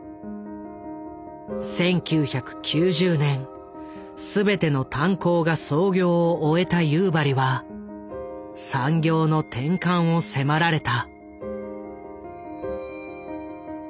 １９９０年全ての炭鉱が操業を終えた夕張は産業の転換を迫られた。